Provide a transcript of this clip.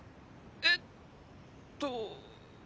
えっと。